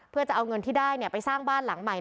เพื่อจะเอาเงินที่ได้ไปสร้างบ้านหลังใหม่